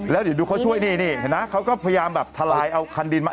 แล้วดูเขาช่วยนี่นี่นะเขาก็พยายามแบบทะลายเอาคันดินมา